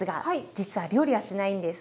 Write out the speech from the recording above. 実は料理はしないんです。